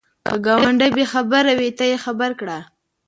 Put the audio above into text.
که ګاونډی بې خبره وي، ته یې خبر کړه